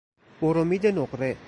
برمید نقره